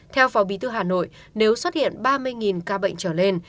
theo phó bí thư hà nội nếu xuất hiện ba mươi ca bệnh trở lên